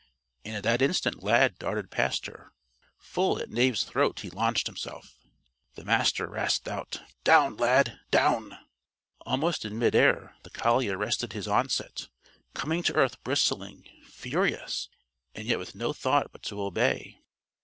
And at that instant Lad darted past her. Full at Knave's throat he launched himself. The Master rasped out: "Down, Lad! Down!" Almost in midair the collie arrested his onset coming to earth bristling, furious and yet with no thought but to obey.